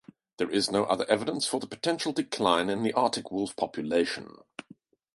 There is no other evidence for the potential decline in the Arctic wolf population.